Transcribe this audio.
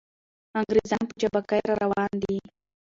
انګریزان په چابکۍ را روان دي.